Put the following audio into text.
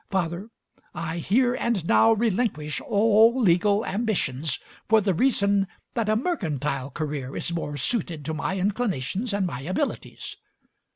Father, I here and now relinquish all legal ambitions, for the reason that a mercantile career is more suited to my incli nations and my abilities.